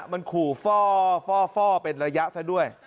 มันขู่ฟ่อเป็นระยะซะด้วย